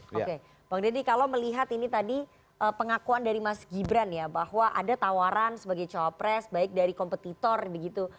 oke bang deddy kalau melihat ini tadi pengakuan dari mas gibran ya bahwa ada tawaran sebagai cawapres baik dari kompetitor begitu